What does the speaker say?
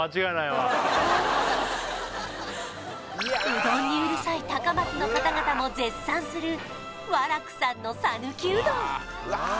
うどんにうるさい高松の方々も絶賛するわらくさんの讃岐うどん